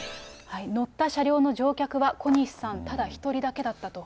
乗った車両の乗客は小西さんただ一人だけだったと。